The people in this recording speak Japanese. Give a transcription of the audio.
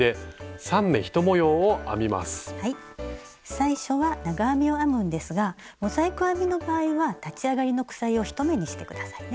最初は長編みを編むんですがモザイク編みの場合は立ち上がりの鎖を１目にして下さいね。